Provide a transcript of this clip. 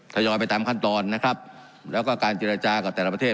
ทยอยไปตามขั้นตอนนะครับแล้วก็การเจรจากับแต่ละประเทศ